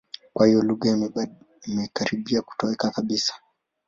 Kwa hiyo lugha hiyo imekaribia kutoweka kabisa.